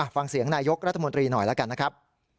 ฟังเสียงนายกรัฐมนตรีหน่อยแล้วกันนะครับ